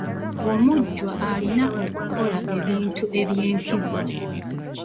Omujjwa alina okukola ebintu eby'enkizo.